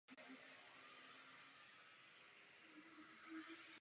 Tato studie vyčerpávajícím způsobem analyzuje otázku, kterou se zabýváme.